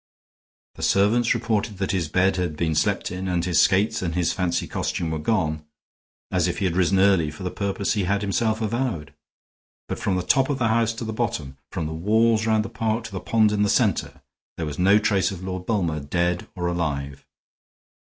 The servants reported that his bed had been slept in and his skates and his fancy costume were gone, as if he had risen early for the purpose he had himself avowed. But from the top of the house to the bottom, from the walls round the park to the pond in the center, there was no trace of Lord Bulmer, dead or alive.